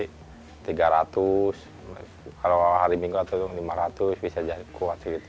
kalau hari minggu lima ratus bisa jadi kuat